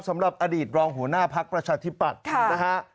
สำหรับอดีตรองหัวหน้าพักประชาธิปัตย์นะฮะ